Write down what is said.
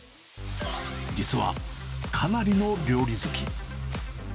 実は、かなりの料理好き。